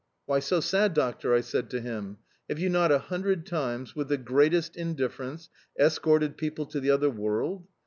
"Why so sad, doctor?" I said to him. "Have you not a hundred times, with the greatest indifference, escorted people to the other world?